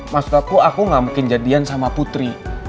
maksud aku aku gak mungkin jadian sama putri